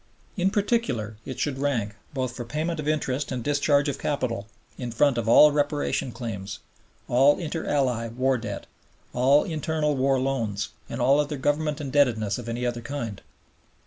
In particular, it should rank, both for payment of interest and discharge of capital, in front of all Reparation claims, all Inter Ally War Debt, all internal war loans, and all other Government indebtedness of any other kind.